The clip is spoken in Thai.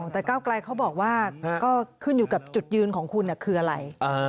แต่ก้าวไกลเขาบอกว่าก็ขึ้นอยู่กับจุดยืนของคุณคืออะไร